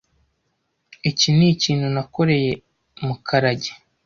Iki nikintu nakoreye Mukarage .